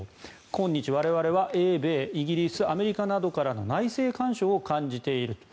今日我々は英米、イギリスなどからの内政干渉を感じていると。